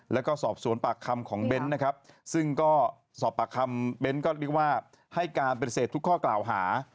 แล้วก็สอบสวนปากคำของเบ้นนะครับซึ่งก็สอบปากคำเบ้นก็เรียกว่าให้การปฏิเสธทุกข้อกล่าวหา